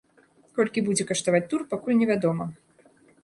Колькі будзе каштаваць тур, пакуль невядома.